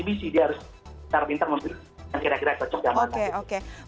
di situ dia harus pintar pintar memilih yang kira kira cocok sama